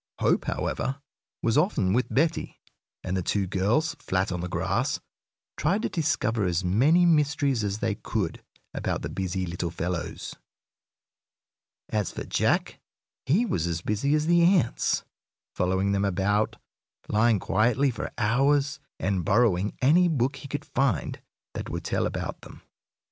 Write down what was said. Hope, however, was often with Betty, and the two girls, flat on the grass, tried to discover as many mysteries as they could about the busy little fellows. As for Jack, he was as busy as the ants, following them about, lying quietly for hours, and borrowing any book he could find that would tell about them.